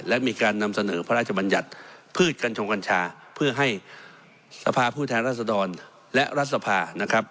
และมีการนำเสนอพระราชบัญญัติพืชกัญชงกัญชาเพื่อให้สภาพผู้แทนรัศดรและรัฐสภานะครับ